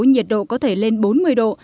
nhiệt độ có thể lên bốn mươi độ